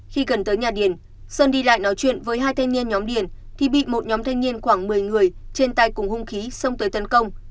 khi gần tới nhà điền sơn đi lại nói chuyện với hai thanh niên nhóm điền thì bị một nhóm thanh niên khoảng một mươi người trên tay cùng hung khí xông tới tấn công